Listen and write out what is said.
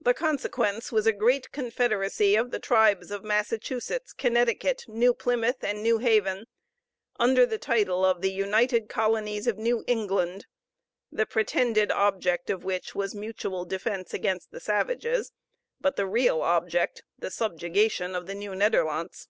The consequence was a great confederacy of the tribes of Massachusetts, Connecticut, New Plymouth, and New Haven, under the title of the "United Colonies of New England;" the pretended object of which was mutual defense against the savages, but the real object the subjugation of the Nieuw Nederlandts.